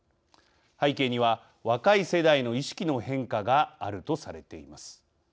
背景には若い世代の意識の変化があるとされています。